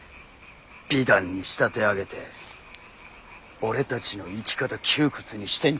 美談に仕立て上げて俺たちの生き方窮屈にしてんじゃねえ。